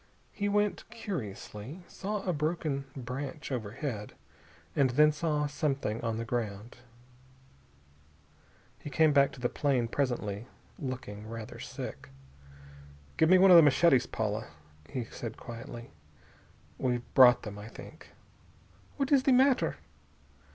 He went curiously, saw a broken branch overhead, and then saw something on the ground. He came back to the plane presently, looking rather sick. "Give me one of the machetes, Paula," he said quietly. "We brought them, I think." "What is the matter?"